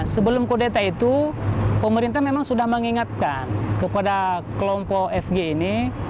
sebelum kudeta itu pemerintah memang sudah mengingatkan kepada kelompok fg ini